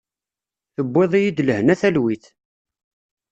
Tewwiḍ-iyi-d lehna talwit.